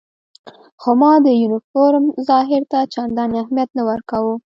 خو ما د یونیفورم ظاهر ته چندانې اهمیت نه ورکاوه.